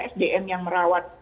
sdm yang merawat